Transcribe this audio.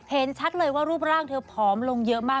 เห็นชัดเลยว่ารูปร่างเธอผอมลงเยอะมาก